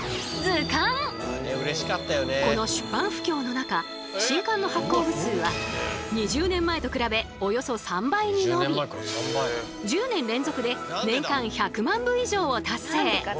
それはこの出版不況の中新刊の発行部数は２０年前と比べおよそ３倍に伸び１０年連続で年間１００万部以上を達成。